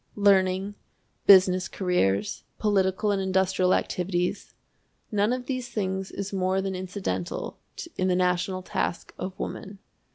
Learning, business careers, political and industrial activities none of these things is more than incidental in the national task of woman.